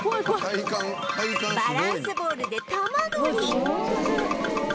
バランスボールで玉乗り